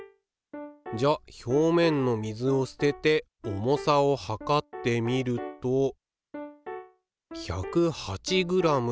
じゃ表面の水を捨てて重さをはかってみると１０８ｇ。